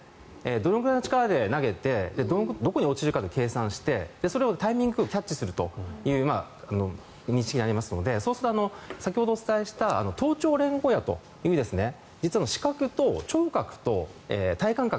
どのぐらいの力で投げてどこに落ちるか計算してそれをタイミングよくキャッチするという認識になりますのでそうすると先ほどお伝えした頭頂連合野という視覚と聴覚と体感覚